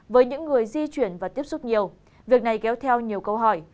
với những người di chuyển và tiếp xúc nhiều việc này kéo theo nhiều câu hỏi